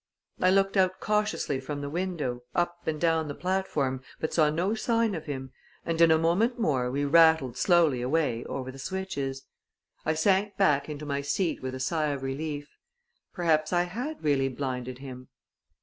I looked out cautiously from the window, up and down the platform, but saw no sign of him, and in a moment more we rattled slowly away over the switches. I sank back into my seat with a sigh of relief. Perhaps I had really blinded him!